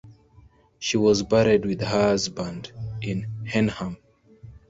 She was buried with her husband in Henham.